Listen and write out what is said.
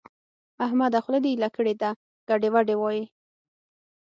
احمده! خوله دې ايله کړې ده؛ ګډې وډې وايې.